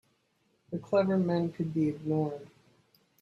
The clever men could be ignored.